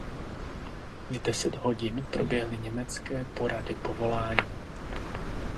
V deset hodin proběhly německé porady povolání.